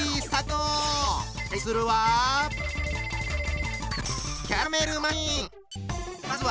対するは。